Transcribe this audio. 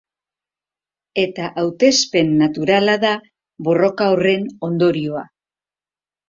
Eta hautespen naturala da borroka horren ondorioa.